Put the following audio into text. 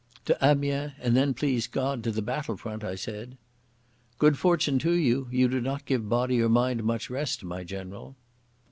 "To Amiens, and then, please God, to the battle front," I said. "Good fortune to you. You do not give body or mind much rest, my general."